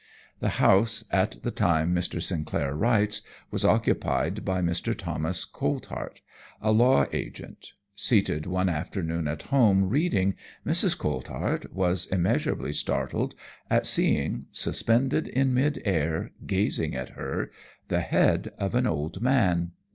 The house, at the time Mr. Sinclair writes, was occupied by Mr. Thomas Coltheart, a law agent. Seated one afternoon at home reading, Mrs. Coltheart was immeasurably startled at seeing, suspended in mid air gazing at her, the head of an old man.